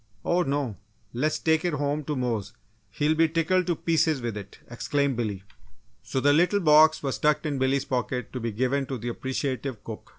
"Oh, no! Let's take it home to Mose; he will be tickled to pieces with it," exclaimed Billy. So the little box was tucked in Billy's pocket to be given to the appreciative cook.